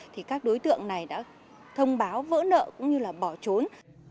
thì các đối tượng này đã thông báo vỡ nợ cũng như là bỏ trốn